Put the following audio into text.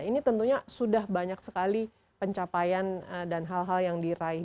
ini tentunya sudah banyak sekali pencapaian dan hal hal yang diraih